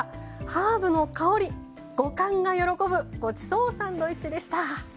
ハーブの香り五感が喜ぶごちそうサンドイッチでした。